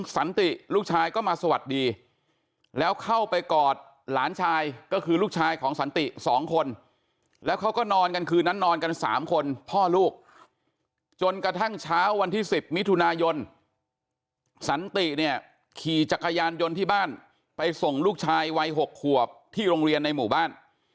สันติขี่จักรยานยนต์ที่บ้านไปส่งลูกชายวัย๖ขวบที่โรงเรียนในหมู่บ้าน